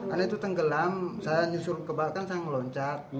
anak itu tenggelam saya nyusul ke bawah kan saya meloncat